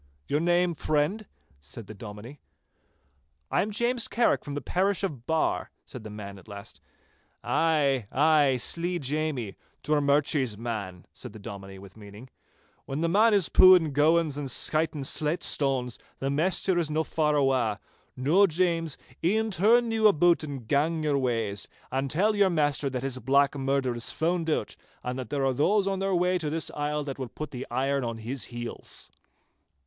'Your name, friend?' said the Dominie. 'I am James Carrick from the parish of Barr,' said the man at last. 'Ay, ay, slee Jamie—Drummurchie's man,' said the Dominie, with meaning. 'When the man is pooin' gowans and skytin' slate stanes, the maister is no that far awa'. Noo, James, e'en turn you aboot and gang your ways, and tell your maister that his black murder is found out, and that there are those on their way to this isle that will put the irons on his heels.